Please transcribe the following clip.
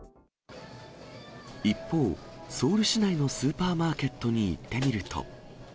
一方、ソウル市内のスーパーマーケットに行ってみると。